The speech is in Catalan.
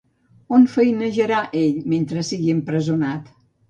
On feinejarà ell mentre sigui empresonat?